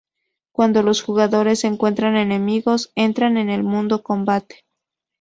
Cuando los jugadores encuentran enemigos, entran en el modo combate.